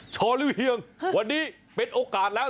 ชอหรือเฮียงวันนี้เป็นโอกาสแล้ว